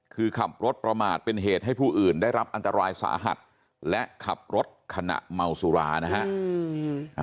คือขับรถประมาทเป็นเหตุให้ผู้อื่นได้รับอันตรายสาหัสและขับรถขณะเมาสุรานะฮะ